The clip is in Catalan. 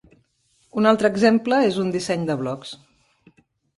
Un altre exemples és un disseny de blocs.